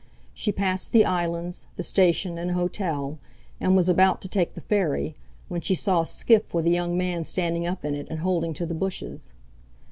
She passed the islands, the station, and hotel, and was about to take the ferry, when she saw a skiff with a young man standing up in it, and holding to the bushes.